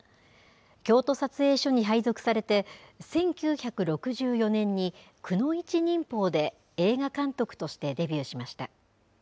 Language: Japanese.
京都撮影所に配属されて１９６４年にくノ一忍法で、映画監督としてデビューしました。